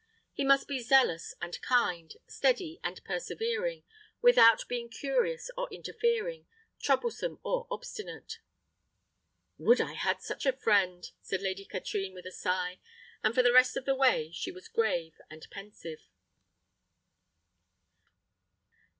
He must be zealous and kind, steady and persevering, without being curious or interfering, troublesome or obstinate." "Would I had such a friend!" said Lady Katrine, with a sigh, and for the rest of the way she was grave and pensive.